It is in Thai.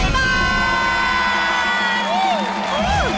๑บาท